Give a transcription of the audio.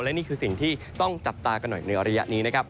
และนี่คือสิ่งที่ต้องจับตากันหน่อยในระยะนี้นะครับ